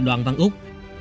đoàn văn úc